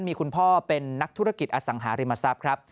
มีคุณพ่อเป็นนักธุรกิจอสังหาริมทรัพย์ครับ